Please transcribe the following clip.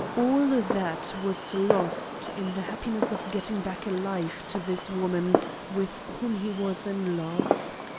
All that was lost in the happiness of getting back alive to this woman with whom he was in love.